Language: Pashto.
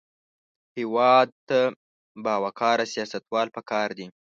هېواد ته باوقاره سیاستوال پکار دي